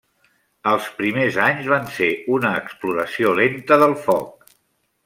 Els primers anys, van ser una exploració lenta del foc.